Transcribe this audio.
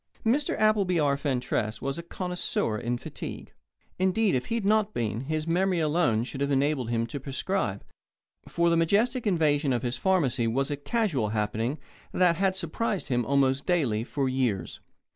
Mr. Appleby R. Fentress was a connoisseur in fatigue. Indeed, if he had not been, his memory alone should have enabled him to prescribe, for the majestic invasion of his pharmacy was a casual happening that had surprised him almost daily for years.